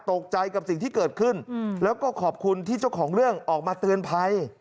ตกใจกับสิ่งที่เกิดขึ้นแล้วก็ขอบคุณที่เจ้าของเรื่องออกมาเตือนภัย